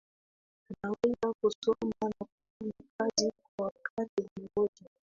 Tunaweza kusoma na kufanya kazi kwa wakati mmoja